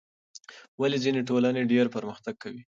ولې ځینې ټولنې ډېر پرمختګ کوي؟